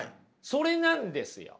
それなんですよ。